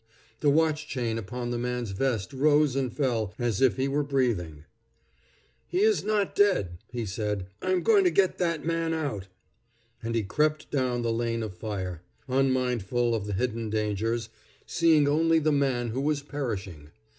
The watch chain upon the man's vest rose and fell as if he were breathing. "He is not dead," he said. "I am going to get that man out." And he crept down the lane of fire, unmindful of the hidden dangers, seeing only the man who was perishing.